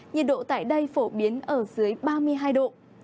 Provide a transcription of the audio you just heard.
nhiệt độ tại đây phổ biến ở dưới ba mươi hai độ